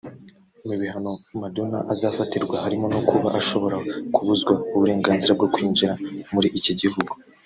Mu bihano Madonna azafatirwa harimo no kuba ashobora kubuzwa uburenganzira bwo kwinjira muri iki gihugu